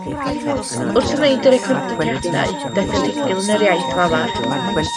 Wrth wneud y recordiadau daeth yn rhugl yn yr iaith lafar.